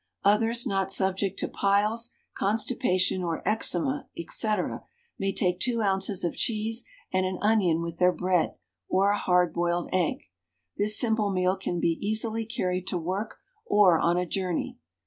Others not subject to piles, constipation, or eczema, &c., may take 2 oz. of cheese and an onion with their bread, or a hard boiled egg. This simple meal can be easily carried to work, or on a journey.